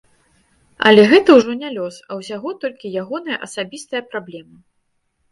Але гэта ўжо не лёс, а ўсяго толькі ягоная асабістая праблема.